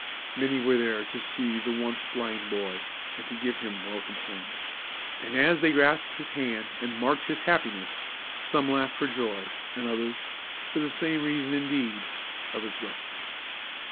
Many were there to see the once blind boy, and give him welcome home. And as they grasped his hand, and marked his happiness, some laughed for joy, and others, for the same reason indeed, others wept.